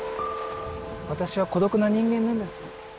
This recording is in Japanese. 私は孤独な人間なんです。